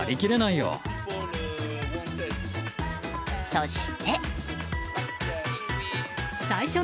そして。